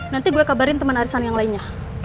nanti gue kabarin teman arisan yang lainnya